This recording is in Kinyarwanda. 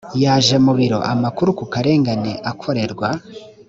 yaje mu biro amakuru kukarengane akorerwa